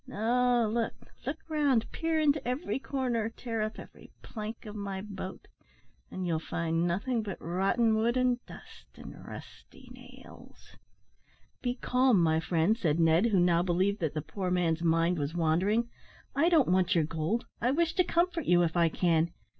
No, look, look round, peer into every corner, tear up every plank of my boat, and you'll find nothing but rotten wood, and dust, and rusty nails." "Be calm, my friend," said Ned, who now believed that the poor man's mind was wandering, "I don't want your gold; I wish to comfort you, if I can.